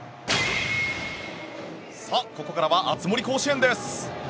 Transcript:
ここからは熱盛甲子園です。